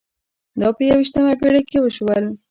دا په یوویشتمه پېړۍ کې وشول.